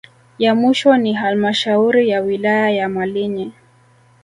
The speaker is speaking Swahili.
Ya mwisho ni halmashauri ya wilaya ya Malinyi